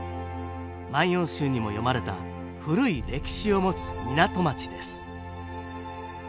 「万葉集」にも詠まれた古い歴史を持つ港町です